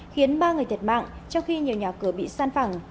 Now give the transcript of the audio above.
khiến ba người thiệt mạng trong khi nhiều nhà cửa bị san phẳng